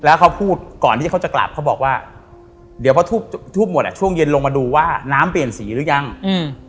แล้วเขาพูดก่อนที่เขาจะกลับเขาบอกว่าเดี๋ยวพอทูบทูบหมดอ่ะช่วงเย็นลงมาดูว่าน้ำเปลี่ยนสีหรือยังอืม